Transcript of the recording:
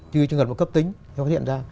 chứ trường hợp là cấp tính không phát hiện ra